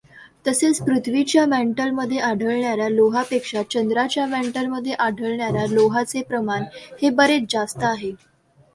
तसेच पृथ्वीच्या मँटलमध्ये आढळणाऱ्या लोहापेक्षा चंद्राच्या मँटलमध्ये आढळणाऱ्या लोहाचे प्रमाण हे बरेच जास्त आहे.